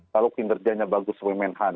kalau kinerjanya bagus sebagai menhan